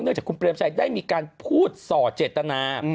จากคุณเปรมชัยได้มีการพูดส่อเจตนา